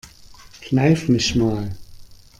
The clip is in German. Kneif mich mal.